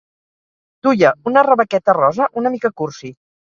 Duia una rebequeta rosa una mica cursi.